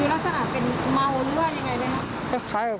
ดูลักษณะเป็นมออนหรือว่ายังไงนะ